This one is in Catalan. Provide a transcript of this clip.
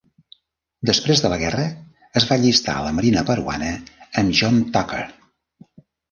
Després de la guerra, es va allistar a la marina peruana amb John Tucker.